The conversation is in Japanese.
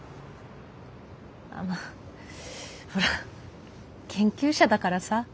あまあほら研究者だからさ。